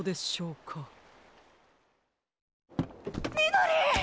みどり！